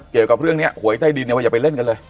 เกี่ยวกับเรื่องเนี่ยหวยใต้ดินอย่าไปเล่นกันเลย